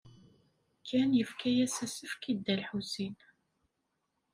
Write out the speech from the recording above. Ken yefka-as asefk i Dda Lḥusin.